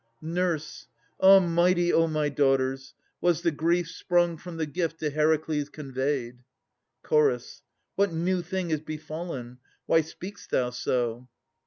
NURSE. Ah! mighty, O my daughters! was the grief Sprung from the gift to Heracles conveyed! LEADER OF CH. What new thing is befallen? Why speak'st thou so?